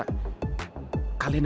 kalian harus berhenti ya